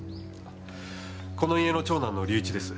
この家の長男の隆一です。